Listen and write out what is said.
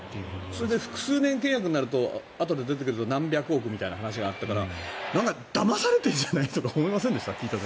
それで複数年契約になるとあとで出てくると何百億ってなるからだまされているんじゃない？とか思いませんでした？